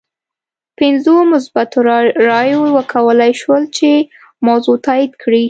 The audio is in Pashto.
پنځو مثبتو رایو وکولای شول چې موضوع تایید کړي.